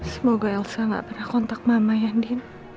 semoga elsa gak pernah kontak mama ya din